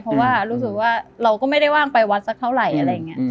เพราะว่ารู้สึกว่าเราก็ไม่ได้ว่างไปวัดสักเท่าไหร่อะไรอย่างนี้